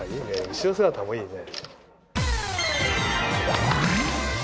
後ろ姿もいいね。